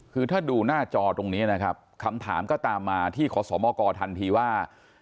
คือถ้าดูหน้าจอตรงนี้นะครับคำถามก็ตามมาที่ขอสมกทันทีว่า